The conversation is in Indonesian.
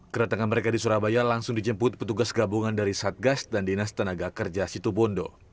kedatangan mereka di surabaya langsung dijemput petugas gabungan dari satgas dan dinas tenaga kerja situ bondo